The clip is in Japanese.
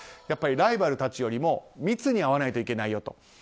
やっぱりライバルたちよりも密に会わないといけないよと。